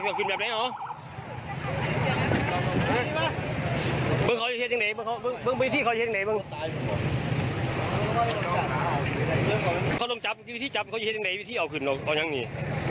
วิธีออกกันออกอย่างนี้